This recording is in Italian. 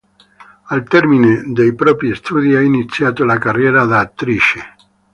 Al termine dei propri studi ha iniziato la carriera da attrice.